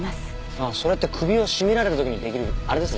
ああそれって首を絞められた時に出来るあれですね？